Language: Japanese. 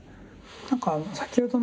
何か先ほどね